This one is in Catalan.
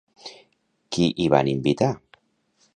Qui hi van invitar?